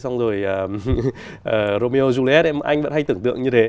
xong rồi romeo runets anh vẫn hay tưởng tượng như thế